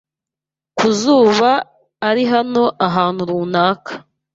Kazuba ari hano ahantu runaka.